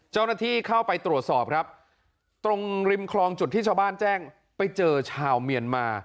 เจ้าหน้าที่เข้าไปตรวจสอบครับตรงริมคลองจุดที่ชาวบ้านแจ้งไปเจอชาวเมียนมา